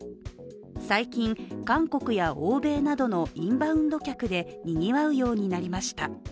最近、韓国や欧米などのインバウンド客でにぎわうようになりました。